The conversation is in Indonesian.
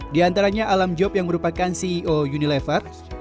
di antaranya alam job yang merupakan ceo unilevers